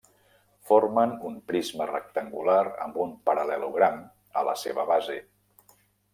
Formen un prisma rectangular amb un paral·lelogram a la seva base.